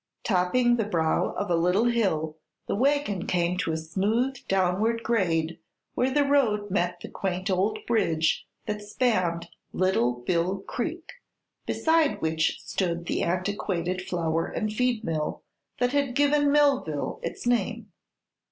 Topping the brow of a little hill the wagon came to a smooth downward grade where the road met the quaint old bridge that spanned Little Bill Creek, beside which stood the antiquated flour and feed mill that had given Millville its name.